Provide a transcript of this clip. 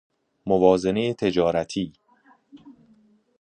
موازنه تجارتی